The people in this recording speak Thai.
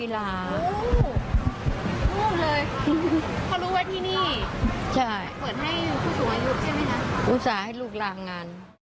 อุตสาห์ให้ลูกลางงาน